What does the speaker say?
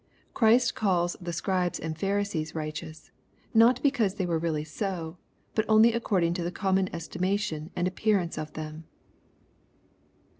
Christ calls these Scribes and Pharisees righteous, not because they were really so, but only according to the common estimation and appearance of them."